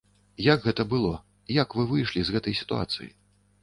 Як гэта было, як вы выйшлі з гэтай сітуацыі?